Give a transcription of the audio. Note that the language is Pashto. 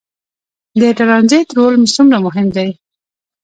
د ټرانزیټ رول څومره مهم دی؟